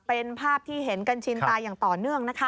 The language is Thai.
เป็นภาพที่เห็นกันชินตาอย่างต่อเนื่องนะคะ